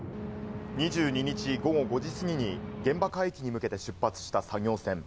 ２２日午後５時過ぎに現場海域に向けて出発した作業船。